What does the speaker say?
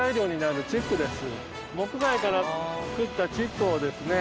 木材から作ったチップをですね